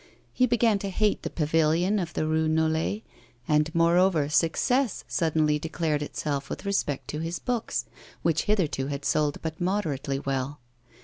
He began to hate the pavilion of the Rue Nollet, and, moreover, success suddenly declared itself with respect to his books, which hitherto had sold but moderately well.